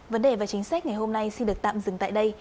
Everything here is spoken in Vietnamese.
vấn đề và chính sách ngày hôm nay xin được tạm dừng tại đây